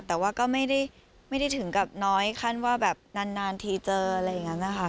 แต่ว่าก็ไม่ได้ถึงกับน้อยขั้นว่าแบบนานทีเจออะไรอย่างนั้นนะคะ